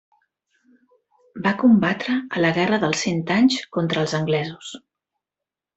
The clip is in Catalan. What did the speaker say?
Va combatre a la Guerra dels Cent Anys contra els anglesos.